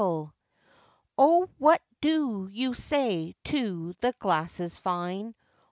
Oh! what do you say to the glasses fine?